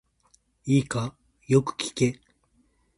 いいか、よく聞け。